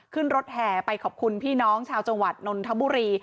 ขึ้นรถแห่ไปขอบคุณพี่น้องชาวจังหวัดนนทบุรี